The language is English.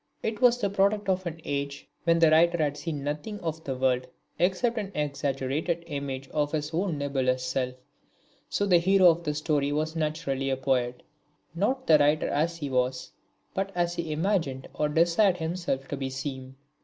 It was the product of an age when the writer had seen practically nothing of the world except an exaggerated image of his own nebulous self. So the hero of the story was naturally a poet, not the writer as he was, but as he imagined or desired himself to seem.